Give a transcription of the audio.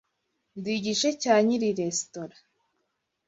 Ndi igice cya nyiri resitora.